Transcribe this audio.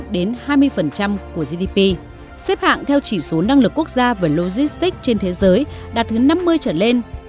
đến hai mươi của gdp xếp hạng theo chỉ số năng lực quốc gia về logistics trên thế giới đạt thứ năm mươi trở lên